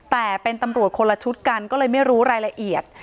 แต่เป็นตำรวจคนละชุดกันก็เลยไม่รู้รายละเอียด